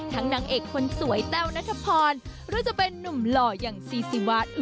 นางเอกคนสวยแต้วนัทพรหรือจะเป็นนุ่มหล่ออย่างซีซีวาส